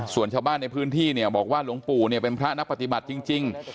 ส่วนชาวบ้านในพื้นที่เนี่ยบอกว่าหลวงปู่เนี่ยเป็นพระนักปฏิบัติจริง